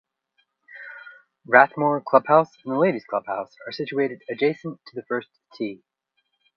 Rathmore clubhouse and the ladies clubhouse are situated adjacent to the first tee.